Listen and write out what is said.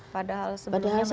padahal sebelumnya saya sudah tahu